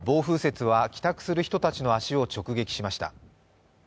暴風雪は帰宅する人たちの足を直撃しました。